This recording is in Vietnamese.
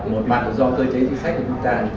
một mặt do cơ chế chính sách của chúng ta